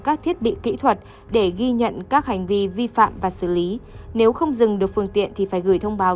các thiết bị kỹ thuật để ghi nhận các hành vi vi phạm và xử lý nếu không dừng được phương tiện thì phải gửi thông báo